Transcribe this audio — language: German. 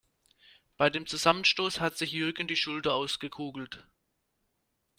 Bei dem Zusammenstoß hat sich Jürgen die Schulter ausgekugelt.